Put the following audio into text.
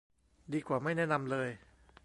ดีกว่าไม่แนะนำเลย